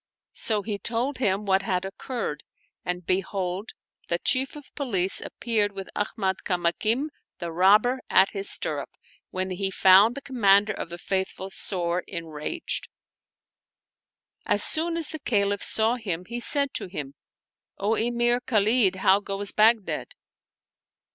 '* So he told him what had occurred ; and behold, the Chief of Police appeared with Ahmad Kamakim the robber at his stirrup, when he found the Commander of the Faithful sore enraged. As soon as the Caliph saw him he said to him, " O Emir Khalid, how goes Baghdad?"